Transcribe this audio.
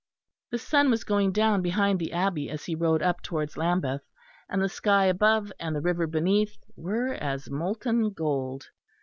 The sun was going down behind the Abbey as he rode up towards Lambeth, and the sky above and the river beneath were as molten gold.